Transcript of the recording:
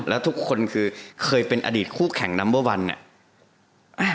แล้วทุกคนคือเคยเป็นอดีตคู่แข่งนัมเบอร์วันเนี่ย